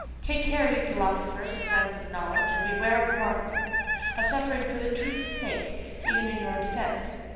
Take care, ye philosophers and friends of knowledge, and beware of martyrdom! Of suffering "for the truth's sake"! even in your own defense!